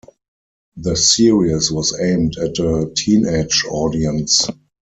The series was aimed at a teenage audience.